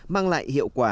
mang lại hiệu quả